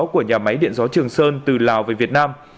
của nhà máy điện gió trường sơn từ lào về việt nam